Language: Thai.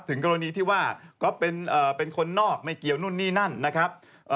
กรณีที่ว่าก๊อฟเป็นคนนอกไม่เกี่ยวนู่นนี่นั่นนะครับ